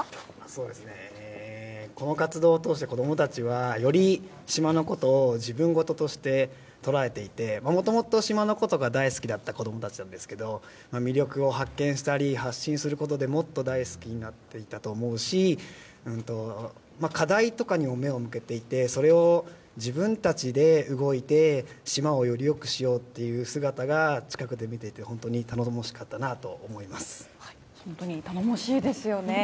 そうですね、この活動を通して子どもたちはより島のことを、自分事として捉えていて、もともと島のことが大好きだった子どもたちなんですけど、魅力を発見したり、発信することでもっと大好きになっていったと思うし、課題とかにも目を向けていて、それを自分たちで動いて、島をよりよくしようという姿が近くで見てて、本当に頼もしかった本当に頼もしいですよね。